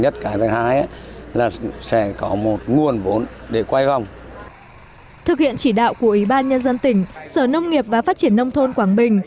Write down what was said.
các chủ cơ sở thu mua hải sản của ủy ban nhân dân tỉnh sở nông nghiệp và phát triển nông thôn quảng bình